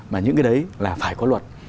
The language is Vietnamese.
mà những cái đấy là phải có luật